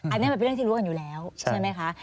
อันนี้มันเป็นเรื่องที่รู้กันอยู่แล้วใช่ไหมคะ